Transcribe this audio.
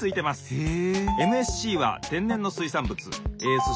へえ！